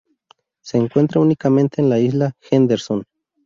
Se encuentra únicamente en la isla Henderson.